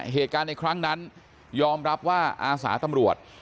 เหตุการณ์ในครั้งนั้นยอมรับว่าอาสาตำรวจ